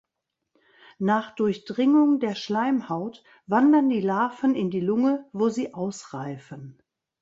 Nach Durchdringung der Schleimhaut wandern die Larven in die Lunge, wo sie ausreifen.